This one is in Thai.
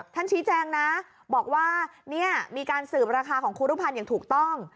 ชี้แจงนะบอกว่าเนี่ยมีการสืบราคาของครูรุภัณฑ์อย่างถูกต้อง